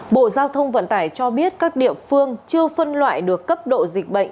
bộ giao thông vận tải cho biết các địa phương chưa phân loại được cấp độ dịch bệnh